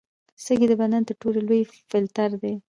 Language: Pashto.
سږي د بدن تر ټولو لوی فلټر دي.